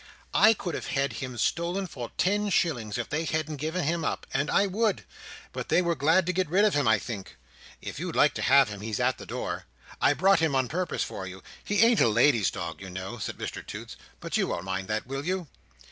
I could have had him stolen for ten shillings, if they hadn't given him up: and I would: but they were glad to get rid of him, I think. If you'd like to have him, he's at the door. I brought him on purpose for you. He ain't a lady's dog, you know," said Mr Toots, "but you won't mind that, will you?"